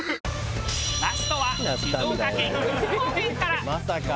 ラストは静岡県伊豆高原から。